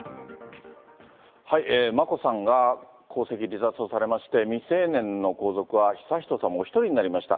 眞子さんが皇籍離脱をされまして、未成年の皇族は悠仁さまお一人になりました。